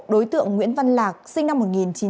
đối tượng nguyễn văn lạc sinh năm một nghìn chín trăm tám mươi